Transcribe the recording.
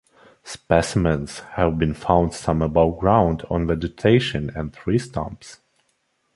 Specimens have been found some above ground on vegetation and tree stumps.